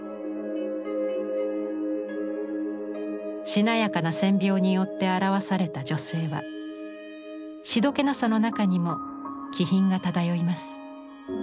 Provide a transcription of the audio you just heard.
しなやかな線描によって表された女性はしどけなさの中にも気品が漂います。